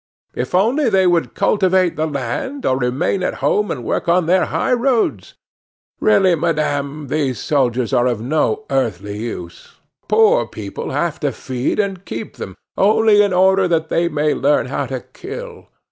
If only they would cultivate the land, or remain at home and work on their high roads! Really, madame, these soldiers are of no earthly use! Poor people have to feed and keep them, only in order that they may learn how to kill!